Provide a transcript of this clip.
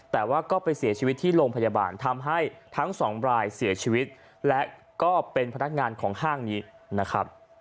แต่ว่าก็ไปเสียชีวิตที่โรงพยาบาลทำให้ทั้งสองรายเสียชีวิตและก็เป็นพนักงานของห้างนี้นะครับ